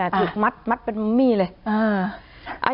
ถึงมัดเป็นมี่เลย